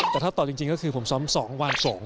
แต่ถ้าตอบจริงก็คือผมซ้อม๒วัน๒